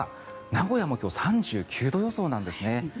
名古屋も今日３９度予想なんですね。